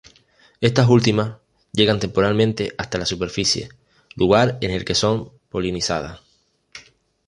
Estas últimas, llegan temporalmente hasta la superficie, lugar en el que son polinizadas.